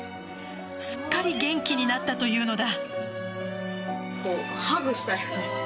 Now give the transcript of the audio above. すっかり元気になったというのだ。